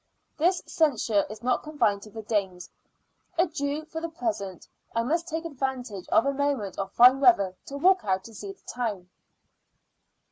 This censure is not confined to the Danes. Adieu, for the present, I must take advantage of a moment of fine weather to walk out and see the town.